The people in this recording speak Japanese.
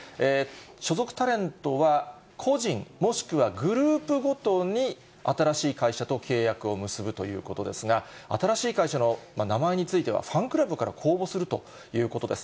所属タレントは個人、もしくはグループごとに新しい会社と契約を結ぶということですが、新しい会社の名前については、ファンクラブから公募するということです。